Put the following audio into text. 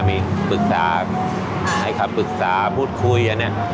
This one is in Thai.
มีการปรึกษาพูดคุย